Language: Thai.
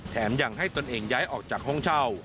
แถมยังให้ตนเองย้ายออกจากห้องเช่า